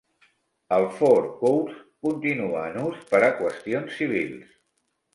El Four Courts continua en ús per a qüestions civils.